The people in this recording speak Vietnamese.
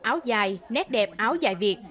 áo dài nét đẹp áo dài việt